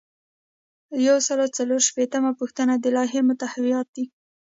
یو سل او څلور شپیتمه پوښتنه د لایحې محتویات دي.